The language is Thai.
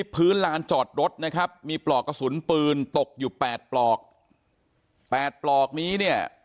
ลานจอดรถนะครับมีปลอกกระสุนปืนตกอยู่๘ปลอก๘ปลอกนี้เนี่ย